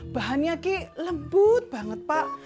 bahannya lembut banget pak